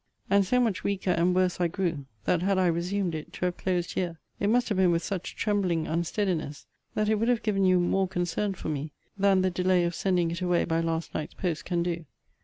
And so much weaker and worse I grew, that had I resumed it, to have closed here, it must have been with such trembling unsteadiness, that it would have given you more concern for me, than the delay of sending it away by last night's post can do.